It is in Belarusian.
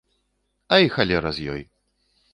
А і халера з ёй.